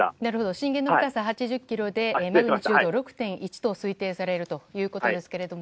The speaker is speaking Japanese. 震源の深さ６０ｋｍでマグニチュード６．１と推定されるということですけれども